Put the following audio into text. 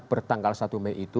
pertanggal satu mei itu